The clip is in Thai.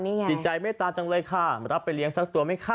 นี่ไงจิตใจเมตตาจังเลยค่ะรับไปเลี้ยงสักตัวไหมคะ